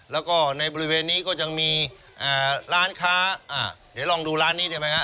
แล้วก็ในบริเวณนี้ก็ยังมีร้านค้าเดี๋ยวลองดูร้านนี้ได้ไหมฮะ